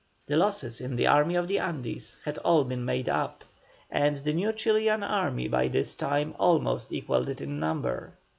The losses in the army of the Andes had all been made up, and the new Chilian army by this time almost equalled it in number.